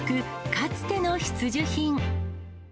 かつての必需品。